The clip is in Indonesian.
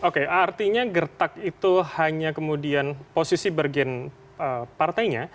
oke artinya gertak itu hanya kemudian posisi bergen partainya